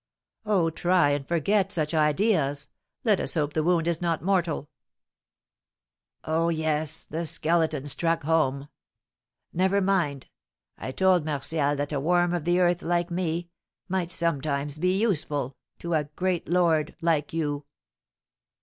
"Oh, try and forget such ideas! Let us hope the wound is not mortal." "Oh, yes, the Skeleton struck home! Never mind I told Martial that a worm of the earth like me might sometimes be useful to a great lord like you."